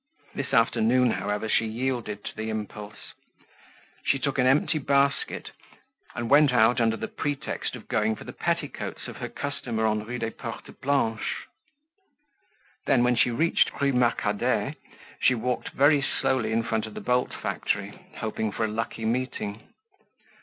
This afternoon, however, she yielded to the impulse. She took an empty basket and went out under the pretext of going for the petticoats of her customer on Rue des Portes Blanches. Then, when she reached Rue Marcadet, she walked very slowly in front of the bolt factory, hoping for a lucky meeting.